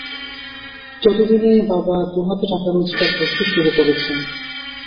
ততদিনে বাবা দু হাতে টাকা রোজগার করতে শুরু করেছেন।